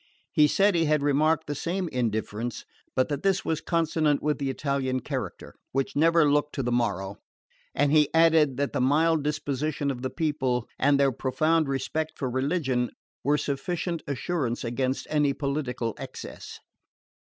He said he had remarked the same indifference, but that this was consonant with the Italian character, which never looked to the morrow; and he added that the mild disposition of the people, and their profound respect for religion, were sufficient assurance against any political excess.